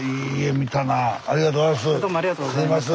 ありがとうございます。